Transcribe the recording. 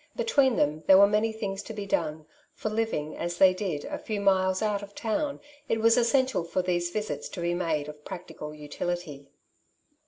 Between them there were many things to be done, for living, as they did, a few miles out of town, it was essential for these visits to be made of practical utility.